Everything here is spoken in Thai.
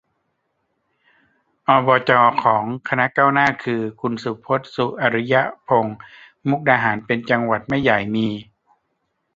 อบจ ของคณะก้าวหน้าคือ คุณสุพจน์ สุอริยพงษ์ มุกดาหารเป็นจังหวัดไม่ใหญ่มี